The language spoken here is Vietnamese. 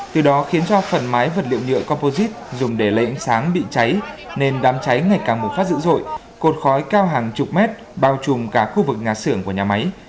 từ đó khiến cho phần mái vật liệu nhựa composite dùng để lấy ánh sáng bị cháy nên đám cháy ngày càng bùng phát dữ dội cột khói cao hàng chục mét bao trùm cả khu vực nhà xưởng của nhà máy